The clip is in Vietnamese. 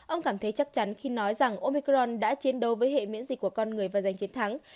ông cảm thấy chắc chắn khi nói rằng omicron đã chiến đấu với hệ miễn dịch của con người và giành chiến thắng